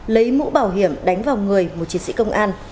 lấy mũ bảo hiểm đánh vào người một chiến sĩ công an